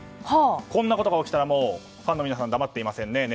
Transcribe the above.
こんなことが起きたらファンの皆さん黙っていませんね。